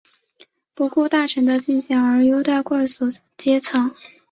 不顾大臣的进谏而优待贵族阶层。